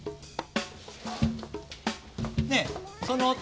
ねえその男